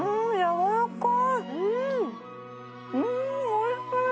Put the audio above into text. うんうんおいしい！